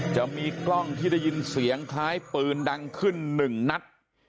จะมีกล้องที่ได้ยินเสียงคล้ายปืนดังขึ้นหนึ่งนัด